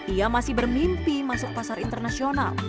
ia masih bermimpi masuk pasar internasional